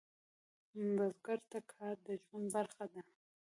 بزګر ته کار د ژوند برخه ده